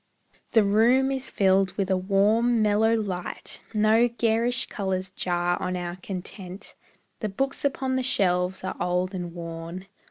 The room is filled with a warm, mellow light, No garish colours jar on our content, The books upon the shelves are old and worn.